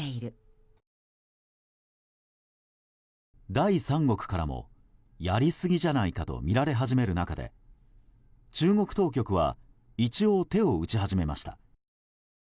第三国からもやりすぎじゃないかと見られ始める中で中国当局は一応、手を打ち始めました。